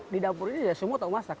di dapur ini semua tahu masak